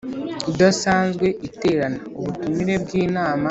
Idasanzwe iterane ubutumire bw inama